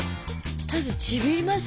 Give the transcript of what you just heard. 多分ちびりますよ